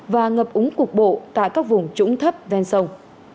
và ngập úng cục bộ tại các vùng trũng thấp ven sông